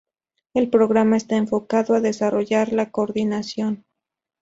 El programa está enfocado a desarrollar la coordinación.